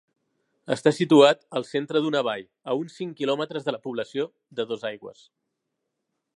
Està situat al centre d'una vall a uns cinc quilòmetres de la població de Dosaigües.